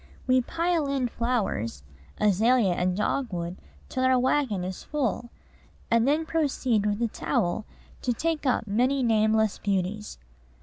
We pile in flowers azalea and dogwood till our wagon is full, and then proceed with a trowel to take up many nameless beauties.